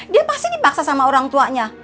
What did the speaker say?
dia pasti dipaksa sama orang tuanya